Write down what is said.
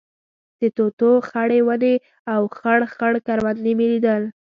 د توتو خړې ونې او خړ خړ کروندې مې لیدل.